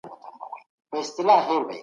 دولت نسي کولای له اقتصاد څخه لیرې پاته سي.